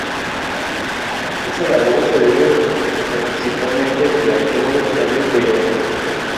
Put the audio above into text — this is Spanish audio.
Esta labor se debe principalmente al arqueólogo Octavio Collado.